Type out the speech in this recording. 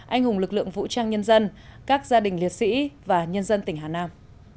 anh hùng lực lượng vũ trang nhân dân các gia đình liệt sĩ và nhân dân tỉnh hà nam